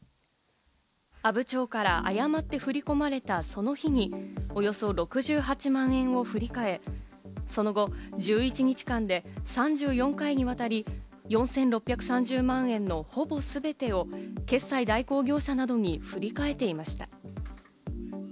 阿武町から誤って振り込まれたその日に、およそ６８万円を振り替え、その後１１日間で３４回にわたり４６３０万円のほぼすべてを決済代行業者などに振り替えていました。